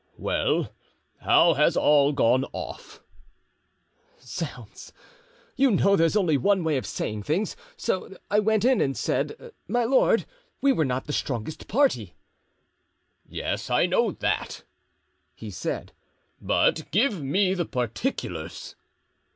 "Well, how has all gone off?" "Zounds! you know there's only one way of saying things, so I went in and said, 'My lord, we were not the strongest party.' "'Yes, I know that,' he said, 'but give me the particulars.